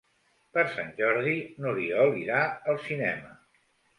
Per Sant Jordi n'Oriol irà al cinema.